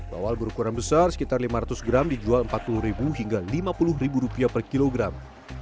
bawal berukuran besar sekitar lima ratus gram dijual rp empat puluh hingga rp lima puluh per kilogram